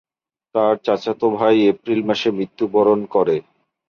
তার চাচাতো ভাই এপ্রিল মাসে মৃত্যুবরণ করে।